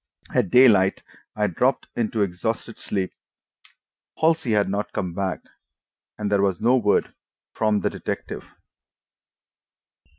At daylight I dropped into exhausted sleep. Halsey had not come back, and there was no word from the detective.